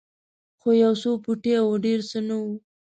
خو یو څو پوټي وو ډېر څه نه وو.